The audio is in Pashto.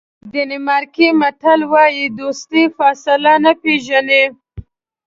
ډنمارکي متل وایي دوستي فاصله نه پیژني.